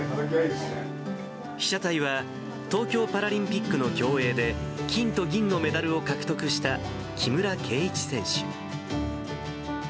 被写体は、東京パラリンピックの競泳で、金と銀のメダルを獲得した木村敬一選手。